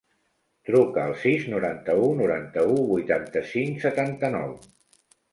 Truca al sis, noranta-u, noranta-u, vuitanta-cinc, setanta-nou.